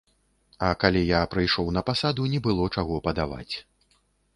А калі я прыйшоў на пасаду, не было чаго падаваць.